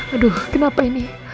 aduh kenapa ini